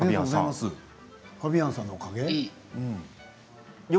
ファビアンさんのおかげ？